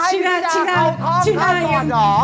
ต้องให้ทีนาทอมในก่อนเหรอ